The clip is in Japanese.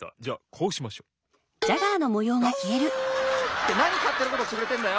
ってなにかってなことしてくれてんだよ！